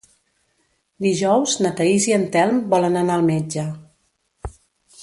Dijous na Thaís i en Telm volen anar al metge.